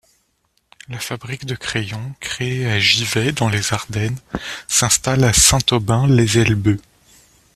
La fabrique de crayons, créée à Givet dans les Ardennes, s'installe à Saint-Aubin-lès-Elbeuf.